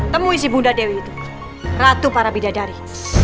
temui si bunda dewi itu ratu para bidadari